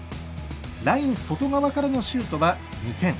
ライン外側からのシュートは２点。